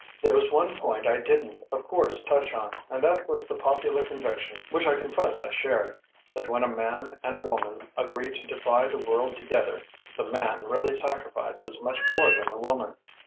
"There was one point I didn't, of course, touch on; and that was the popular conviction (which I confess I shared) that when a man and a woman agree to defy the world together the man really sacrifices much more than the woman.